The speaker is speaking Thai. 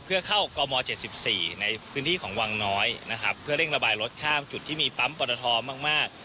เพื่อเข้ากอร์มอร์เจ็ดสิบสี่ในพื้นที่ของวังน้อยนะครับเพื่อเร่งระบายรถข้ามจุดที่มีปั๊มปรถทอมมากมาก